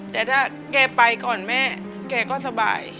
แต่ถ้าแกไปก่อนแม่แกก็สบาย